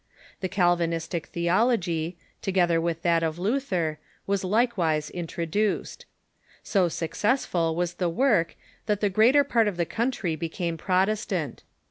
The Calvinistic theology, together Avith that of Luther, was likewise intro duced. So successful Avas the Avork that the greater part of the country became Protestant.